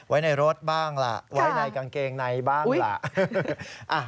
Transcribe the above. ไว้ในรถบ้างล่ะไว้ในกางเกงในบ้างล่ะ